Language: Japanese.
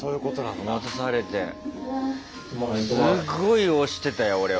すごい押してたよ俺は。